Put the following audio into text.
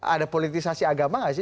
ada politisasi agama nggak sih